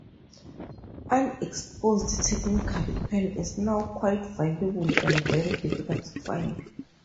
Unexposed Technical Pan is now quite valuable and very difficult to find.